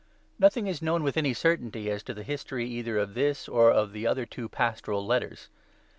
] NOTHING is known with any certainty as to the history either of this or of the other two ' Pastoral Letters.'